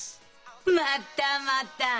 またまた！